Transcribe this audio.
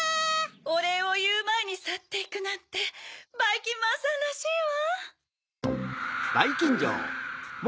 おれいをいうまえにさっていくなんてばいきんまんさんらしいわ。